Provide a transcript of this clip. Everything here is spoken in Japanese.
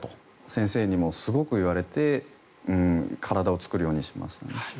先生にもすごく言われて体を作るようにしました。